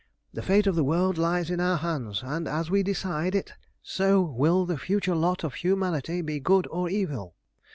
The fate of the world lies in our hands, and as we decide it so will the future lot of humanity be good or evil.